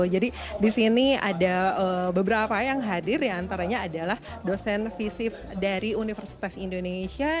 jadi di sini ada beberapa yang hadir ya antaranya adalah dosen visif dari universitas indonesia